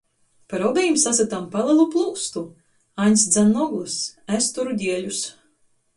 Par obejim sasytam palelu plūstu — Aņds dzan noglys, es turu dieļus.